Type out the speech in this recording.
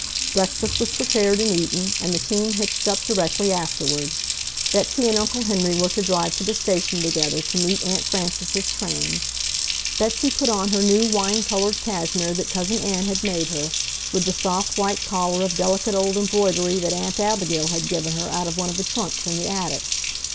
Breakfast was prepared and eaten, and the team hitched up directly afterward. Betsy and Uncle Henry were to drive to the station together to meet Aunt Frances's train. Betsy put on her new wine colored cashmere that Cousin Ann had made her, with the soft white collar of delicate old embroidery that Aunt Abigail had given her out of one of the trunks in the attic.